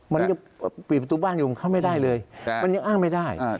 มันยังปิดประตูบ้านอยู่มันเข้าไม่ได้เลยมันยังอ้างไม่ได้